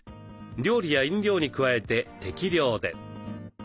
料理や飲料に加えて適量で。